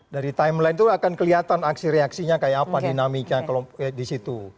dari timeline itu akan kelihatan aksi reaksinya kayak apa dinamika di situ